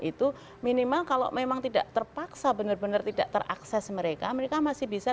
itu minimal kalau memang tidak terpaksa benar benar tidak terakses mereka mereka masih bisa